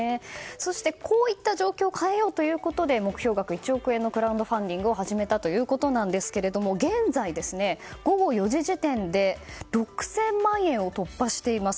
そして、こういった状況を変えようということで目標額１億円のクラウドファンディングを始めたということですが現在、午後４時時点で６０００万円を突破しています。